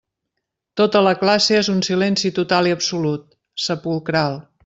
Tota la classe és un silenci total i absolut, sepulcral.